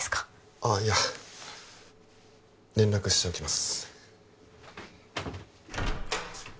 ああいや連絡しておきます